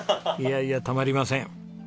いやいやたまりません。